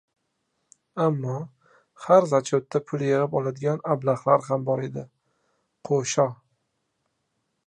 Ammo, har zachetda pul yig‘ib oladigan ablahlar ham bor edi, Qo‘sho!